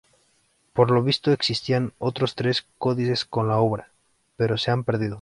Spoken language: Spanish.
Por lo visto existían otros tres códices con la obra, pero se han perdido.